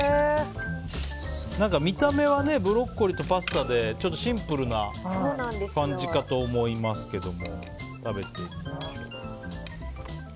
何か見た目はブロッコリーとパスタでシンプルな感じかと思いますけども。